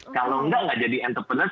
kalau nggak nggak jadi entrepreneur